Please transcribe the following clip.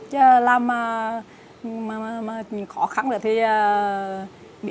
chứ làm mà khó khăn nữa thì